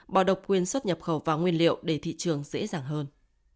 bỏ độc quyền xuất nhập khẩu và nguyên liệu để thị trường dễ dàng hơn